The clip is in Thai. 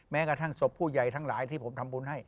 แม้กระทั่งศพผู้ใหญ่ทั้งหลายที่ผมทำบุญให้